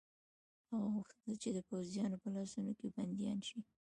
هغه غوښتل چې د پوځیانو په لاسونو کې بندیان شي.